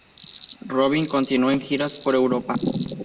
Robin continuó en giras por Europa.